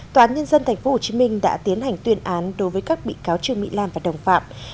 tòa án nhân dân tp hcm đã tiến hành tuyên án đối với các bị cáo trương mỹ lan và đồng phạm